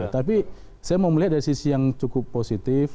tapi saya mau melihat dari sisi yang cukup positif